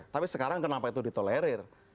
tapi sekarang kenapa itu ditolerir